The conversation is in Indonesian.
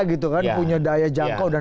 gitu kan punya daya jangkau dan